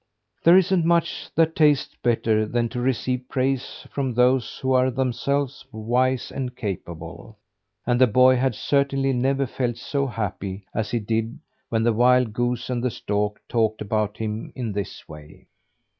There isn't much that tastes better than to receive praise from those who are themselves wise and capable; and the boy had certainly never felt so happy as he did when the wild goose and the stork talked about him in this way.